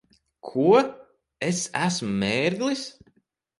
Ko? Es esmu mērglis?